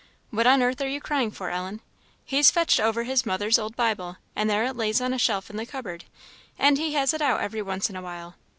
What on earth are you crying for, Ellen? He's fetched over his mother's old Bible, and there it lays on a shelf in the cupboard; and he has it out every once in a while.